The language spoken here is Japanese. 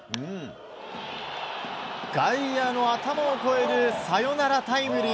外野の頭を越えるサヨナラタイムリー。